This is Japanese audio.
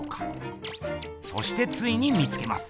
そしてついに見つけます！